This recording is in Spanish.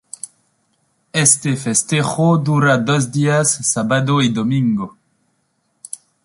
Este festejo dura dos días, sábado y domingo.